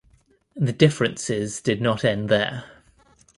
The differences did not end there.